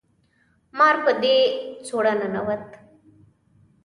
مار په دې سوړه ننوت